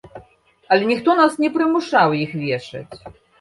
Але ніхто нас не прымушаў іх вешаць.